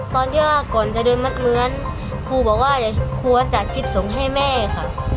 ตอนที่ก่อนจะเดินมัดเมื้อนครูบอกว่าควรจะจิบส่งให้แม่ค่ะ